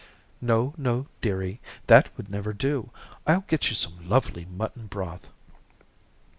"No, no, dearie, that would never do. I'll get you some lovely mutton broth."